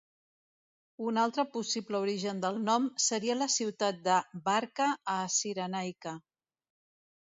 Un altre possible origen del nom seria la ciutat de Barca a Cirenaica.